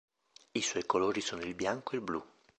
I suoi colori sono il bianco e il blu.